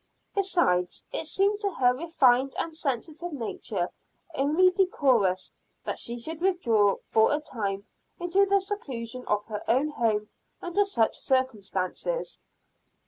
Besides, it seemed to her refined and sensitive nature only decorous that she should withdraw for a time into the seclusion of her own home under such circumstances.